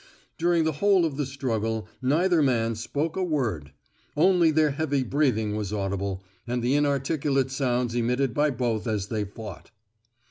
During the whole of the struggle neither man spoke a word; only their heavy breathing was audible, and the inarticulate sounds emitted by both as they fought.